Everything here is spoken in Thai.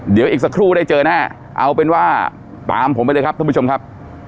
เดี๋ยวอีกสักครู่ได้เจอแน่เอาเป็นว่าตามผมไปเลยครับท่านผู้ชมครับ